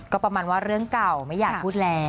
ก็ประมาณว่าเรื่องเก่าไม่อยากพูดแล้ว